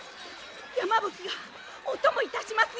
山吹がお供いたします